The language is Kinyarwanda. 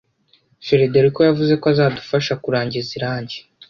Federico yavuze ko azadufasha kurangiza irangi